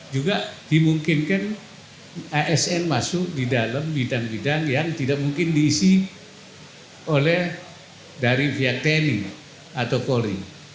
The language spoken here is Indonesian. juga dimungkinkan asn masuk di dalam bidang bidang yang tidak mungkin diisi oleh dari via tni atau polri